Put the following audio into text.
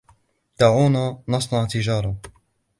دعونا نصنع تجارة.